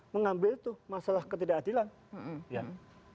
mengambil itu masalah ketidakadilan